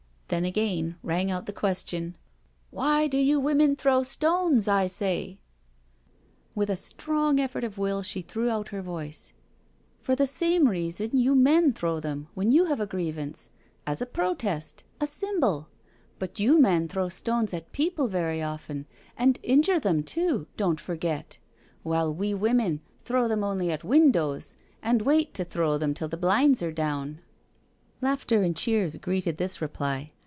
Then again rang out the question: " Why do you women throw stones, I say?" With a strong effort of will she threw out her voice :" For the same reason you men throw them when you have a grievance — ^as a protest — ^a symbol — but you men throw stones at people very often, and injure with them too, don't forget — while we women throw them only at windows, and wait to throw them till the blinds are down." ON A TROLLY CART 135 Laughter and cheers greeted this reply.